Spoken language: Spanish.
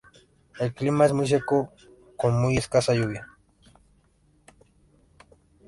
El clima es muy seco con muy escasa lluvia.